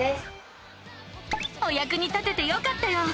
おやくに立ててよかったよ！